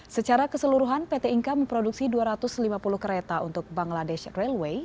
secara keseluruhan pt inka memproduksi dua ratus lima puluh kereta untuk bangladesh railway